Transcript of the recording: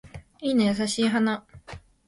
いいな優しい花